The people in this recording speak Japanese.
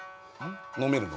飲めるの？